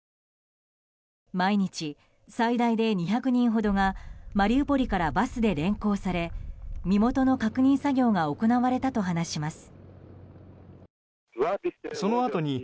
毎日、最大で２００人ほどがマリウポリからバスで連行され身元の確認作業が行われたと話します。